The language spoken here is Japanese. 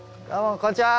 こんにちは。